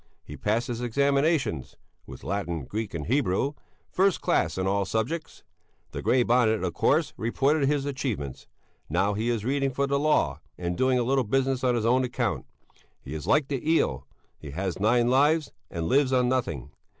He passed his examinations (with Latin, Greek and Hebrew) first class in all subjects. The Grey Bonnet, of course, reported his achievements. Now he is reading for the law, and doing a little business on his own account. He is like the eel; he has nine lives and lives on nothing.